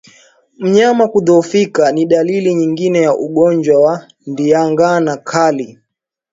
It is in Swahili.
Mnyama kudhoofu ni dalili nyingine ya ugonjwa wa ndigana kali